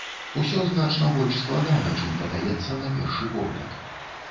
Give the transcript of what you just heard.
Усё значна больш складана, чым падаецца на першы погляд.